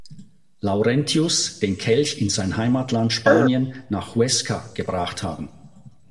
Laurentius, den Kelch in sein Heimatland Spanien nach Huesca gebracht haben.